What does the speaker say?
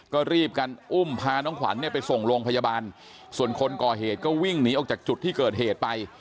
ก็รีบกันอุ้มพาน้องขวัญเนี่ยไปส่งโรงพยาบาลส่วนคนก่อเหตุก็วิ่งหนีออกจากจุดที่เกิดเหตุไป